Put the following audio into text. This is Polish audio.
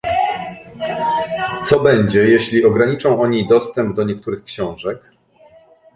Co będzie, jeśli ograniczą oni dostęp do niektórych książek?